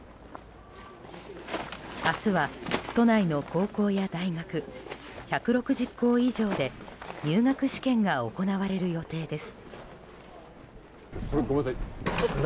明日は都内の高校や大学１６０校以上で入学試験が行われる予定です。